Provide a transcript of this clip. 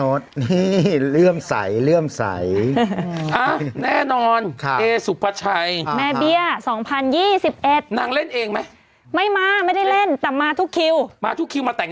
โอ้โหสุดยอดถูกต้อง